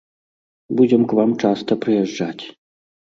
Будзем к вам часта прыязджаць.